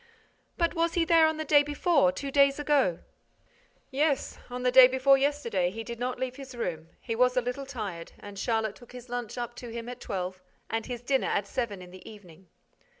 "But was he there on the day before, two days ago?" "Yes. On the day before yesterday, he did not leave his room. He was a little tired; and Charlotte took his lunch up to him at twelve and his dinner at seven in the evening."